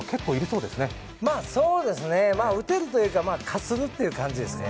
そうですね、打てるというかかするという感じですね。